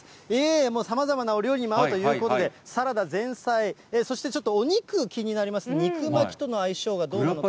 もうさまざまなお料理にも合うということで、サラダ、前菜、そしてちょっとお肉、気になります、肉巻きとの相性がどうなのか。